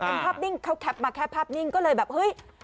เป็นภาพนิ่งเขาแคปมาแค่ภาพนิ่งก็เลยแบบเฮ้ย